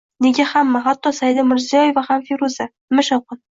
Nega hamma, hatto Saida Mirziyoyeva ham Feruza? Nima shovqin?